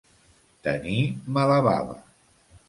Tenir mala bava.